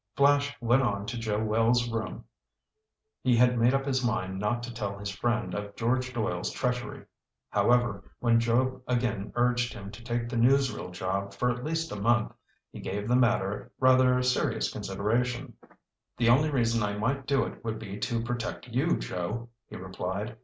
Flash went on to Joe Wells' room. He had made up his mind not to tell his friend of George Doyle's treachery. However, when Joe again urged him to take the newsreel job for at least a month, he gave the matter rather serious consideration. "The only reason I might do it would be to protect you, Joe," he replied.